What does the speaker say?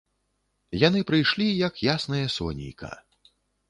Яны прыйшлі, як яснае сонейка.